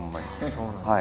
そうなんですか。